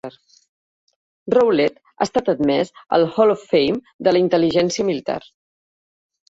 Rowlett ha estat admès al Hall of Fame de la intel·ligència militar.